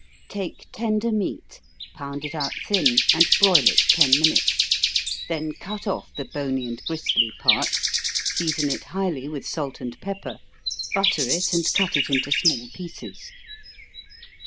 _ Take tender meat, pound it out thin, and broil it ten minutes then cut off the bony and gristly parts, season it highly with salt and pepper, butter it, and cut it into small pieces.